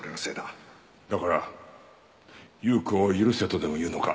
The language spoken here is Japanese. だから有雨子を許せとでも言うのか？